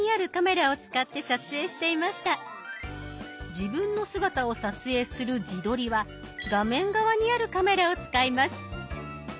自分の姿を撮影する「自撮り」は画面側にあるカメラを使います。